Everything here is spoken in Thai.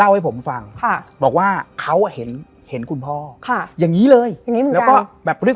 วางมันเป็นดิสเปเนสสวย